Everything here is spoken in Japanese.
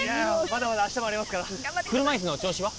まだまだ明日もありますから車いすの調子は？